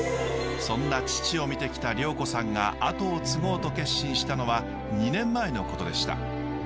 そんな父を見てきた良子さんが後を継ごうと決心したのは２年前のことでした。